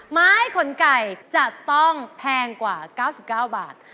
ไม้ขนไก่จะต้องแพงกว่า๙๙บาท